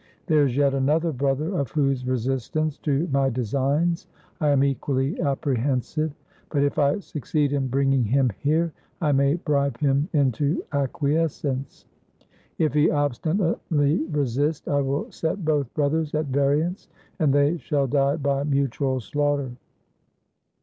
There is yet another brother, of whose resistance to my designs I am equally apprehensive ; but if I succeed in bringing him here, I may bribe him into acquiescence. If he obstinately resist, I will set both brothers at variance, and they shall die by mutual slaughter.